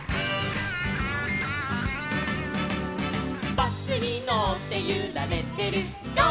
「バスにのってゆられてるゴー！